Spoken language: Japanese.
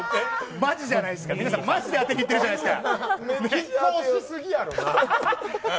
マジじゃないですか、皆さん、マジで当てにいってるじゃないですか。